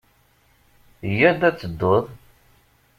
Yya-d ad tedduḍ.